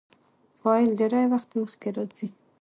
فاعل ډېرى وخت مخکي راځي.